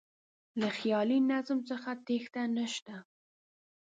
له خیالي نظم څخه تېښته نه شته.